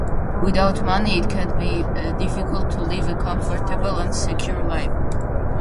Without money, it can be difficult to live a comfortable and secure life.